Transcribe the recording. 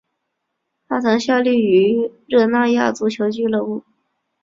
他曾效力于热那亚足球俱乐部。